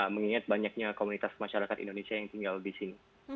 mengingat banyaknya komunitas masyarakat indonesia yang tinggal di sini